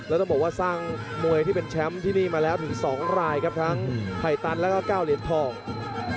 แล้วต้องบอกว่าสร้างมวยที่เป็นแชมป์ที่นี่มาแล้วถึง๒รายครับทั้งไผ่ตันแล้วก็๙เหรียญทอง